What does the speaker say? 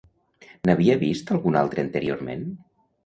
N'havia vist algun altre anteriorment?